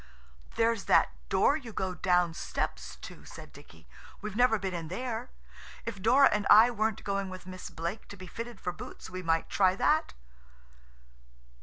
"There's that door you go down steps to," said Dicky; "we've never been in there. If Dora and I weren't going with Miss Blake to be fitted for boots we might try that."